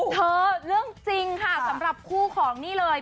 เรื่องจริงค่ะสำหรับคู่ของนี่เลย